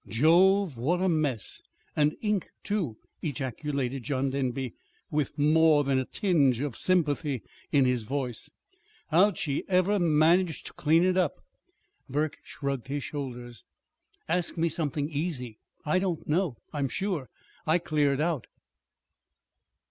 "Jove, what a mess! and ink, too," ejaculated John Denby, with more than a tinge of sympathy in his voice. "How'd she ever manage to clean it up?" Burke shrugged his shoulders. "Ask me something easy. I don't know, I'm sure. I cleared out."